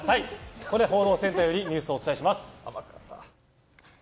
ここで報道センターよりお伝えします。